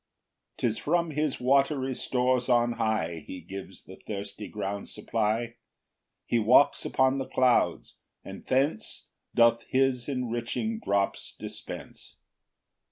9 'Tis from his watery stores on high He gives the thirsty ground supply; He walks upon the clouds, and thence Doth his enriching drops dispense.